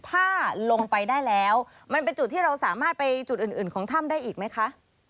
ถ้าลงไปได้แล้วมันเป็นจุดที่เราสามารถไปจุดอื่นของถ้ำได้อีกไหมคะ